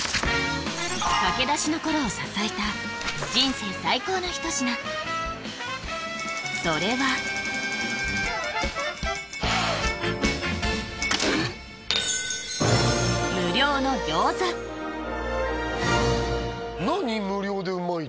駆け出しの頃を支えた人生最高の一品それは何？